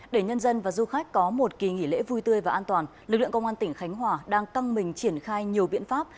để nhân dân và du khách có một kỳ nghỉ lễ vui tươi và an toàn lực lượng công an tỉnh khánh hòa đang căng mình triển khai nhiều biện pháp